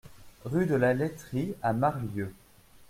Rue de la Laiterie à Marlieux